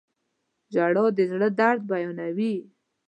• ژړا د زړه درد بیانوي.